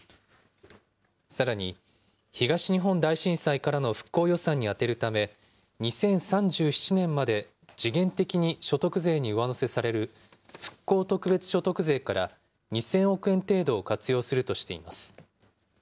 さらに東日本大震災からの復興予算に充てるため、２０３７年まで時限的に所得税に上乗せされる復興特別所得税から２０００億円程度を活用するとしています。